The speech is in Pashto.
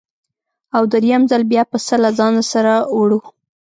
او درېیم ځل بیا پسه له ځانه سره وړو.